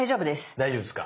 大丈夫ですか。